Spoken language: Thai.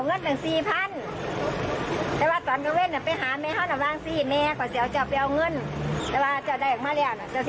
เอาเงิน๔๐๐๐มาเลย